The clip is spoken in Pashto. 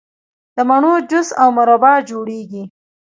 د مڼو جوس او مربا جوړیږي.